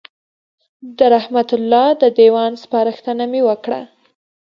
د رحمت الله د دېوان سپارښتنه مې وکړه.